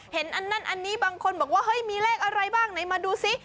อันนั้นอันนี้บางคนบอกว่าเฮ้ยมีเลขอะไรบ้างไหนมาดูซิ